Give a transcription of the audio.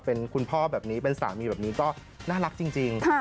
เป็นคุณพ่อแบบนี้เป็นสามีแบบนี้ก็น่ารักจริง